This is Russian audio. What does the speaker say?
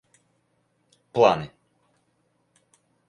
планы